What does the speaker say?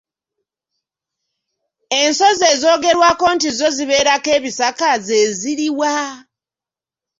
Ensozi ezoogerwako nti zo zibeerako ebisaka ze ziri wa?